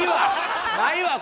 ないわ！